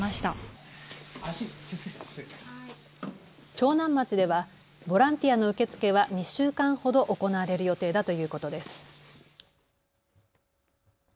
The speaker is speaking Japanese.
長南町ではボランティアの受け付けは２週間ほど行われる予定だということです。